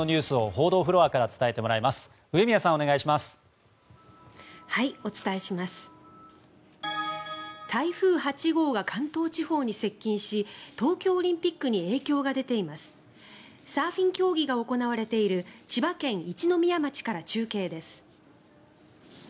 サーフィン競技が行われている千葉県一宮町から中継です。